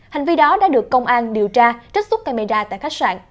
hành vi đó đã được công an điều tra trích xuất camera tại khách sạn